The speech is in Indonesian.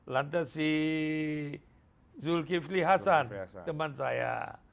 lantas si zulkifli hasan teman saya